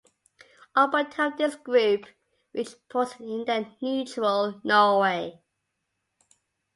All but two of this group reached ports in then-neutral Norway.